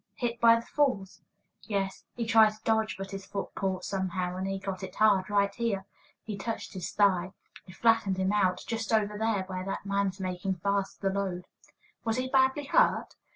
"Hit by the falls?" "Yes; he tried to dodge, but his foot caught somehow, and he got it hard right here." He touched his thigh. "It flattened him out, just over there where that man's making fast the load." "Was he badly hurt?"